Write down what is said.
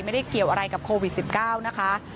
ไม่ได้เกี่ยวอะไรกับโควิด๑๙นะคะ